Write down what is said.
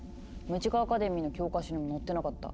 ムジカ・アカデミーの教科書にも載ってなかった。